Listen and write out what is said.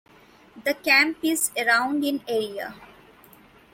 The camp is around in area.